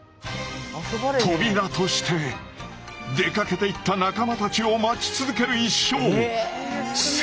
トビラとして出かけていった仲間たちを待ち続ける一生。